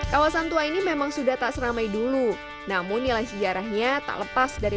kawasan tua ini memang sudah tak seramai dulu namun nilai sejarahnya tak lepas dari